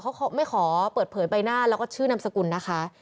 เขาไม่ขอเปิดเผยใบหน้าแล้วก็ชื่อนามสกุลนะคะ